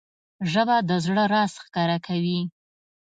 ژبه د زړه راز ښکاره کوي